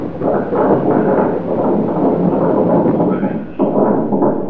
kinga ya mwili wa mgonjwa wa kisukari inashuka